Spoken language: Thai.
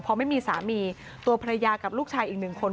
พอไม่มีสามีตัวภรรยากับลูกชายอีกหนึ่งคน